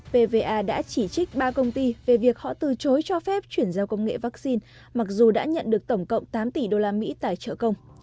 pva đã chỉ trích ba công ty về việc họ từ chối cho phép chuyển giao công nghệ vaccine mặc dù đã nhận được tổng cộng tám tỷ usd tài trợ công